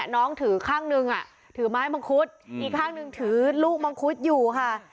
น้องถือข้างหนึ่งถือไม้มังคุดอีกข้างหนึ่งถือลูกมังคุดอยู่ค่ะ